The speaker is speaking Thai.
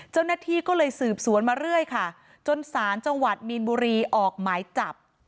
เจ้าหน้าที่ก็เลยสืบสวนมาเรื่อยค่ะจนศาลจังหวัดมีนบุรีออกหมายจับ